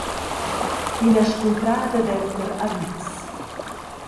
«Ina scuntrada denter amitgs».